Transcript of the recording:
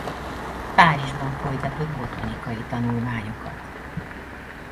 Párizsban folytatott botanikai tanulmányokat.